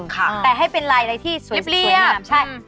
แต่ให้เป็นลายอะไรที่สวยงาม